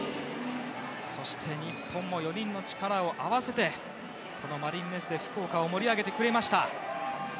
そして日本も４人の力を合わせてこのマリンメッセ福岡を盛り上げてくれました。